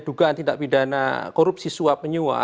dugaan tindak pidana korupsi suap menyua